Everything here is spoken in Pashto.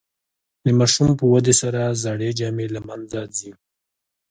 د ماشوم په ودې سره زړې جامې له منځه ځي.